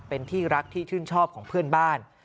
เป็นที่รักที่ชื่นชอบของเพื่อนบ้าน